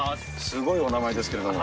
すごいお名前ですけども。